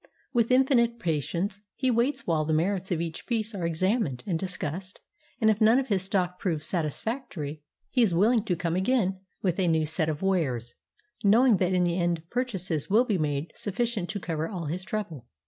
With infinite patience, he waits while the merits of each piece are examined and discussed, and if none of his stock proves satisfactory, he is willing to come again with a new set of wares, knowing that in the end purchases will be made sufficient to cover all his trouble.